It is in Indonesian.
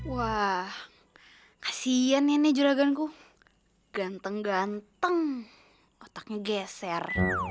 wah kasihan ya nih juraganku ganteng ganteng otaknya geser